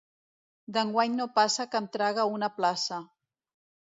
D'enguany no passa que em traga una plaça.